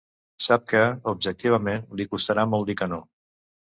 Sap que, objectivament, li costarà molt dir que no.